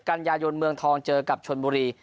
กันยายนเมืองทองเจอกับชนบุรี